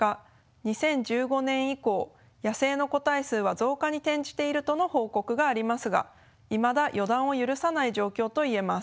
２０１５年以降野生の個体数は増加に転じているとの報告がありますがいまだ予断を許さない状況といえます。